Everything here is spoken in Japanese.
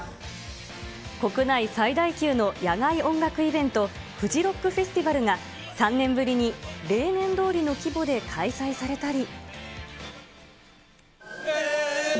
国内最大級の野外音楽イベント、フジロックフェスティバルが、３年ぶりに例年どおりの規模で開催されたり。